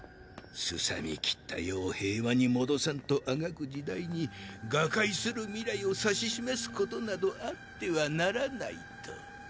荒みきった世を平和に戻さんと足掻く時代に瓦解する未来を指し示す事などあってはならないと。